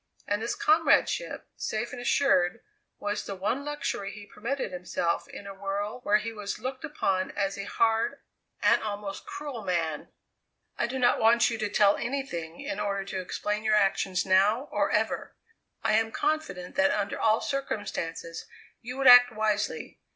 And this comradeship, safe and assured, was the one luxury he permitted himself in a world where he was looked upon as a hard, an almost cruel, man. "I do not want you to tell anything in order to explain your actions now, or ever. I am confident that under all circumstances you would act wisely.